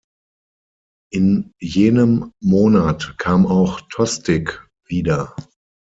In jenem Monat kam auch Tostig wieder.